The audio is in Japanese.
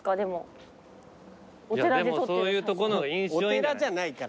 お寺じゃないから。